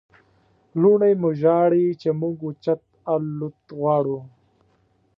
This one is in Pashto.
لوڼې مو ژاړي چې موږ اوچت الوت غواړو.